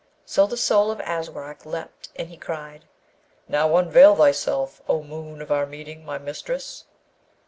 So the soul of Aswarak leapt, and he cried, 'Now unveil thyself, O moon of our meeting, my mistress!'